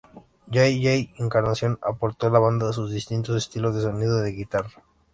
Jay Jay Encarnación, aportó a la banda sus distintos estilos de sonidos de guitarra.